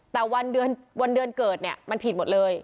แต่วันเดือนเกิดเนี่ยมันผิดหมดเลย